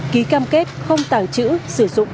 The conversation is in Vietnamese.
ký cam kết không tàng trữ sử dụng